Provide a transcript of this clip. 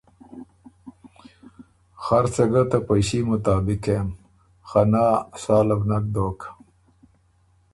خرڅه ګۀ ته پئݭي مطابق کېم، خه نا، ساله بو نک دوک۔